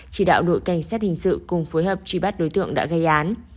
chỉ đạo đội cảnh sát hình sự cùng phối hợp truy bắt đối tượng đã gây án